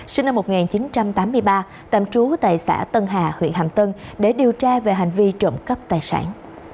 sinh năm một nghìn chín trăm tám mươi ba tạm trú tại xã tân hà huyện hạm tân để điều tra về hành vi trộm cắp tài sản